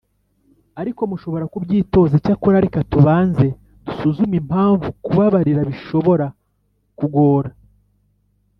Ariko mushobora kubyitoza Icyakora reka tubanze dusuzume impamvu kubabarira bishobora kugora